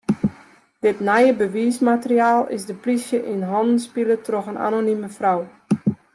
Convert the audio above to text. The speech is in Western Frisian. Dit nije bewiismateriaal is de plysje yn hannen spile troch in anonime frou.